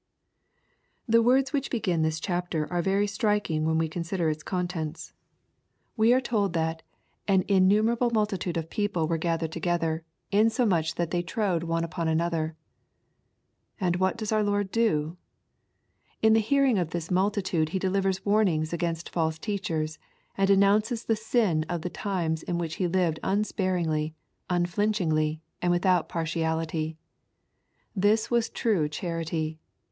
The words which begin this chapter are very striking when we consider its contents. We axe told that " aa 68 EXPOSITOR Y THOUGHTS. innumerable multitude of people were gathered together, insomuch that they trode one upon another." And what does our Lord do ? In the hearing of this multitude He delivers warnings against false teachers, and denounces the sins of the times in which he lived unsparingly, un flinchingly, and without partiality. This was true charity.